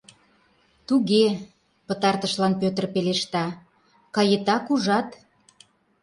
— Туге, — пытартышлан Пӧтыр пелешта, — каетак, ужат?